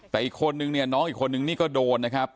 แต่น้องอีกคนนึงนี่ก็โดนนะครับ